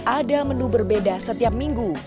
ada menu berbeda setiap minggu